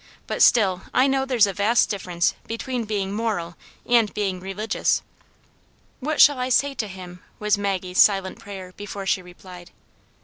But still I know there's a vast differ ence between being moral and being religious." " What shall I say to him }" was Maggie's silent prayer before she replied.